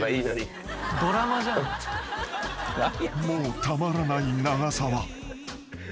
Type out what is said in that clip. ［もうたまらない長澤］